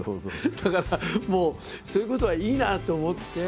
だからもうそういうことはいいなって思って。